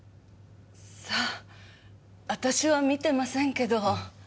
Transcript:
さあ私は見てませんけど。